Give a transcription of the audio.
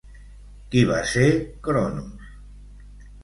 Qui va ser Chronos?